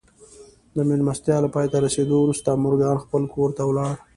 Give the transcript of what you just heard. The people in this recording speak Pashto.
د مېلمستيا له پای ته رسېدو وروسته مورګان خپل کور ته ولاړ.